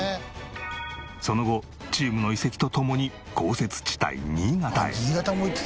その後チームの移籍とともに豪雪地帯新潟へ。